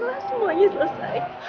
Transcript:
nanti kelas semuanya selesai